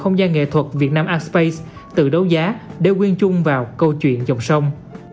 không gian nghệ thuật việt nam art space tự đấu giá để quyên chung vào câu chuyện dòng sông